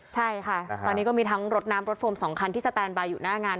ใช่ค่ะตอนนี้ก็มีทั้งรถน้ำรถโฟม๒คันที่สแตนบายอยู่หน้างาน